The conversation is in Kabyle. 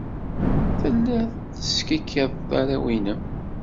Telliḍ teskikkiḍeḍ arraw-nnem.